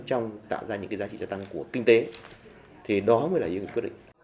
trong tạo ra những cái giá trị cho tăng của kinh tế thì đó mới là những quyết định